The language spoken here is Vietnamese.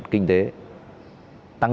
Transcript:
kinh tế tăng